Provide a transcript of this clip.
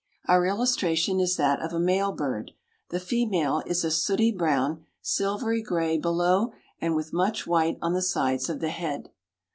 Our illustration is that of a male bird. The female is a sooty brown, silvery gray below and with much white on the sides of the head.